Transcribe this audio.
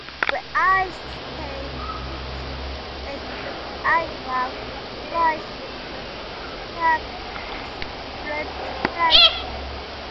The eyes stay fixed as the eyebrows rise and the scalp is retracted.